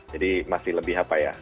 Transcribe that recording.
jadi masih lebih apa ya